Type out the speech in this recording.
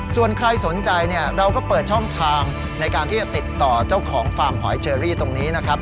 ส่วนใครสนใจเนี่ยเราก็เปิดช่องทางในการที่จะติดต่อเจ้าของฟาร์มหอยเชอรี่ตรงนี้นะครับ